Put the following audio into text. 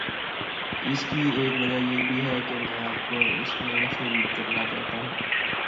اس کی ایک وجہ یہ بھی ہے کہ میں آپ کو اس میں شریک کرنا چاہتا ہوں۔